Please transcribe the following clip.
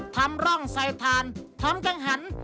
ทำร่องใส่ถ่านทำกังหัน